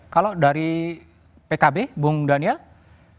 kalau dari pkb bung daniel